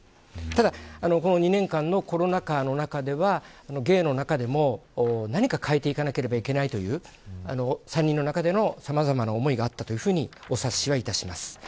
ただ２年間のコロナ禍の中では芸の中でも何か変えていかなければいけないという３人の中でのさまざまな思いがあったとお察しはいたします。